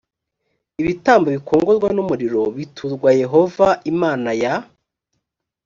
ibitambo bikongorwa n umuriro b biturwa yehova imana ya